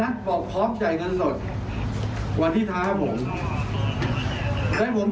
ข้อตรงคือบริษัทนักบอกพร้อมจ่ายเงินสดวันทิศาสตร์ครับผม